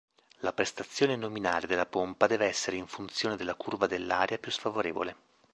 La prestazione nominale della pompa deve essere in funzione della curva dell'area più sfavorevole.